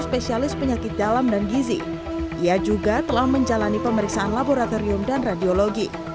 spesialis penyakit dalam dan gizi ia juga telah menjalani pemeriksaan laboratorium dan radiologi